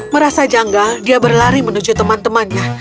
merasa janggal dia berlari menuju teman temannya